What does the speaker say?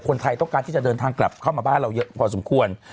คนไทยต้องการที่จะเดินทางกลับเข้ามาบ้านเราเยอะพอสมควร